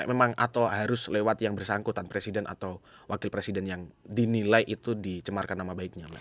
memang atau harus lewat yang bersangkutan presiden atau wakil presiden yang dinilai itu dicemarkan nama baiknya